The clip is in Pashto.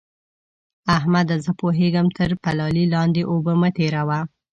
احمده! زه پوهېږم؛ تر پلالې لاندې اوبه مه تېروه.